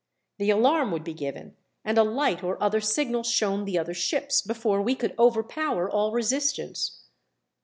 The alarm would be given, and a light or other signal shown the other ships, before we could overpower all resistance.